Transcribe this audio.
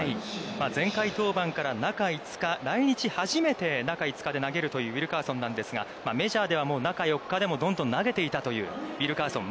前回登板から中５日、来日初めて中５日で投げるというウィルカーソンなんですが、メジャーでは中４日でもどんどん投げていたという、ウィルカーソン。